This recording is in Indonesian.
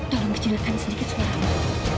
tolong kejelaskan sedikit suaranya